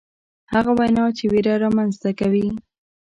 هغه وینا چې ویره رامنځته کوي.